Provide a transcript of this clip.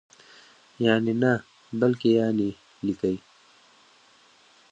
یعني نه بلکې یانې لیکئ!